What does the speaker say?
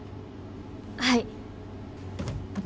はい。